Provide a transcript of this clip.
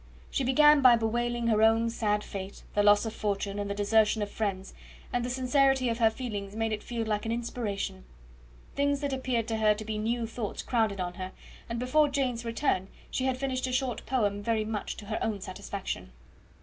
She began by bewailing her own sad fate, the loss of fortune, and the desertion of friends; and the sincerity of her feelings made it feel like an inspiration. Things that appeared to her to be new thoughts crowded on her, and before Jane's return she had finished a short poem very much to her own satisfaction.